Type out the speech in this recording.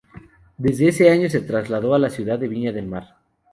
Desde ese año, se trasladó a la ciudad de Viña del Mar.